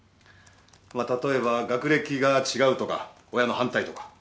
まあ例えば学歴が違うとか親の反対とか。